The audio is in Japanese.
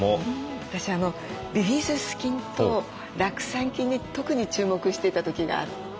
私ビフィズス菌と酪酸菌に特に注目していた時があって。